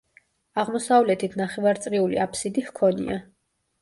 აღმოსავლეთით ნახევარწრიული აფსიდი ჰქონია.